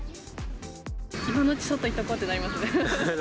今のうち、外行っとこうってなりますね。